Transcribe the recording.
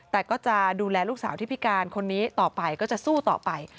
แต่ก็จะดูแลลูกสาวที่พิการคนนี้ต่อไปก็จะสู้ต่อไป